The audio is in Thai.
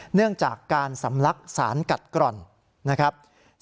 เนื่องจากการสำลักสารกัดกร่อนนะครับ